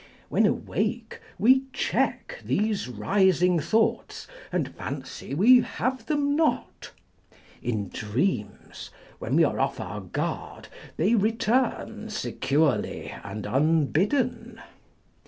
When awake, we check these rising thoughts, and fancy we have them not. In dreams, when we are off our guard, they return securely and unbidden.